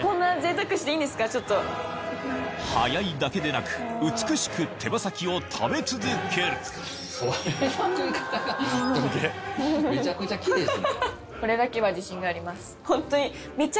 早いだけでなく美しく手羽先を食べ続けるホントに。